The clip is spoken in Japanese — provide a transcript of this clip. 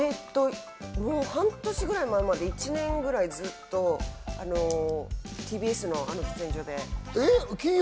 半年ぐらい前まで１年ぐらいずっとＴＢＳの喫煙所で。